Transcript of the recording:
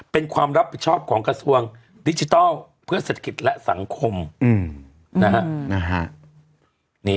เป็นความรับผิดชอบของกระทรวงดิจิทัลเพื่อเศรษฐกิจและสังคมนะฮะ